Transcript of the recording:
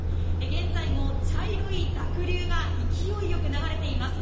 現在も茶色い濁流が勢いよく流れています。